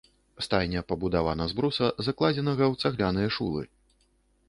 Стайня пабудавана з бруса, закладзенага ў цагляныя шулы.